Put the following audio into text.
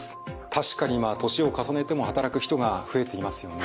確かに今年を重ねても働く人が増えていますよね。